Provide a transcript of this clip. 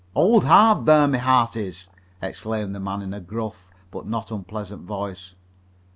"Hold hard there, my hearties!" exclaimed the man in a gruff but not unpleasant voice.